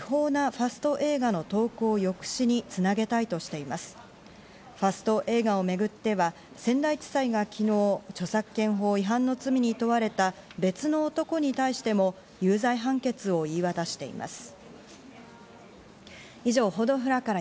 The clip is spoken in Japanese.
ファスト映画をめぐっては仙台地裁が昨日、著作権法違反の罪に問われた別の男に対しても、有罪判決を言い渡しています。